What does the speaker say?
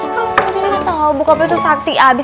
kalau seperti ini gak tau bukapenya tuh sakti abis